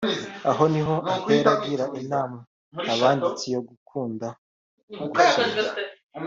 Aha ni ho ahera agira inama abanditsi yo gukunda gusoma